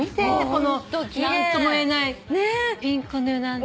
この何とも言えないピンクのような。